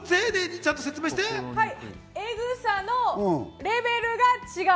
エグさのレベルが違う。